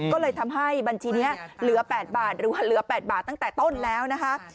ก็เลยทำให้บัญชีนี้เหลือ๘บาทหรือว่าเหลือ๘บาทตั้งแต่ต้นแล้วนะคะ